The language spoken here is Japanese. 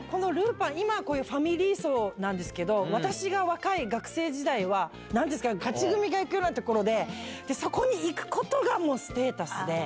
ぱん、今はこういうファミリー層なんですけど、私が若い学生時代は、なんていうんですか、勝ち組が行くような所で、そこに行くことがもうステータスで。